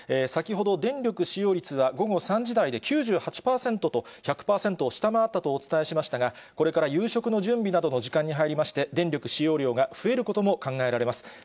先ほど電力使用率は、午後３時台で９８％と、１００％を下回ったとお伝えしましたが、これから夕食の準備などの時間に入りまして、電力使用量が増えることも考えられます。